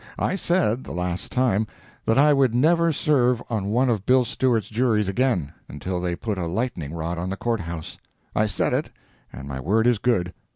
I said, the last time, that I would never serve on one of Bill Stewart's juries again, until they put a lightning rod on the Court House. I said it, and my word is good.